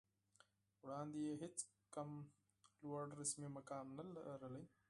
وړاندې یې هېڅ کوم لوړ رسمي مقام نه درلود